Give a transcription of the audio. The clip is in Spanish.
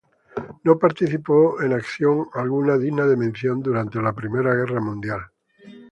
No participó en acción alguna digna de mención durante la Primera Guerra Mundial.